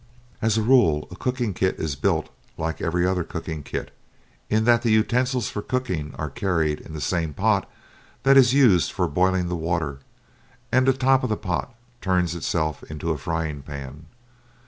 As a rule, a cooking kit is built like every other cooking kit in that the utensils for cooking are carried in the same pot that is used for boiling the water, and the top of the pot turns itself into a frying pan.